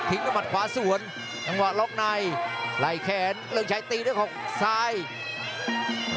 ประดานเมืองชัยเดิน